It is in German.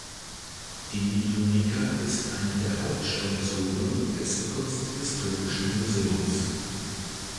Die Uniqa ist einer der Hauptsponsoren des Kunsthistorischen Museums.